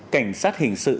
cảnh sát hình sự